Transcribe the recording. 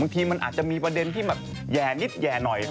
ทีมันอาจจะมีประเด็นที่แบบแย่นิดแห่หน่อย